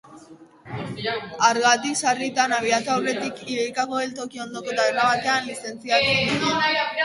Hargatik sarritan, abiatu aurretik, Iberiako geltoki ondoko taberna batean lizentziatzen ginen.